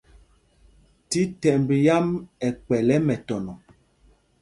Thíthɛmb yǎm ɛ kpɛ̌l ɛ mɛtɔnɔ.